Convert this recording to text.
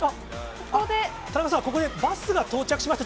田中さん、ここでバスが到着しました。